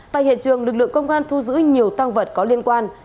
tại hiện trường lực lượng công an thu giữ nhiều tăng vật có liên quan